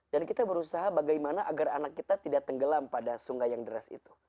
dan kita berusaha bagaimana agar anak kita tidak tenggelam pada sungai yang deras itu